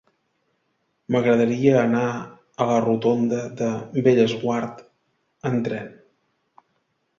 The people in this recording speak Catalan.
M'agradaria anar a la rotonda de Bellesguard amb tren.